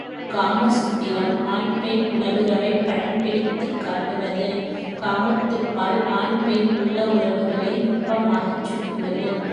காமசூத்திரம் ஆண் பெண் உடலுறவைப் படம் பிடித்துக் காட்டுவது காமத்துப்பால் ஆண் பெண் உள்ள உறவுகளை நுட்பமாகச் சுட்டுவது.